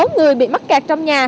bốn người bị mắc cạt trong nhà